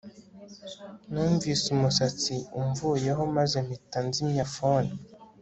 numvise umusatsi umvuyeho maze mpita nzimya phone